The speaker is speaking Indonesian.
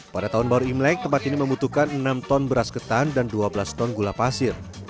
pada tahun baru imlek tempat ini membutuhkan enam ton beras ketan dan dua belas ton gula pasir